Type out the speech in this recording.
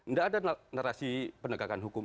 nggak ada narasi penegakan hukum